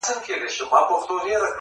چي ته ورته دانې د عاطفې لرې که نه,